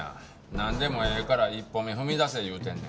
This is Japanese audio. なんでもええから一歩目踏み出せ言うてんねん。